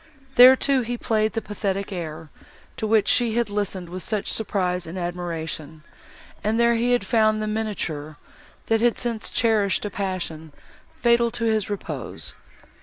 There too he played the pathetic air, to which she had listened with such surprise and admiration; and there he found the miniature, that had since cherished a passion fatal to his repose.